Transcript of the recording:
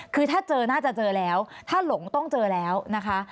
คือถ้าเจอน่าจะเจอแล้วถ้าหลงต้องเจอแล้วนะคะ